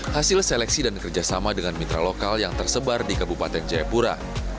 hasil seleksi dan kerjasama dengan mitra lokal yang tersebar di kabupaten jayapura